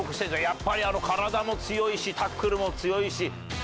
やっぱり体も強いし、タックルも強いし。